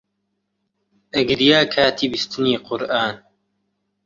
ئەگریا کاتی بیستنی قورئان